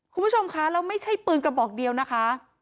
คุณผู้ชมค่ะเราไม่ใช่ปืนกระร่บเดียวนะคะ